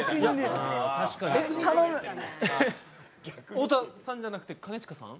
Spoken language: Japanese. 太田さんじゃなくて、兼近さん？